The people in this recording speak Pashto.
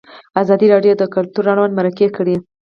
ازادي راډیو د کلتور اړوند مرکې کړي.